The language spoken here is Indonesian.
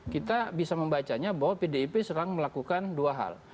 kita bisa membacanya bahwa pdip sedang melakukan dua hal